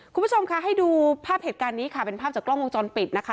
คุณผู้ชมค่ะให้ดูภาพเหตุการณ์นี้ค่ะเป็นภาพจากกล้องวงจรปิดนะคะ